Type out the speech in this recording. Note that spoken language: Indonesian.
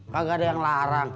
kagak ada yang larang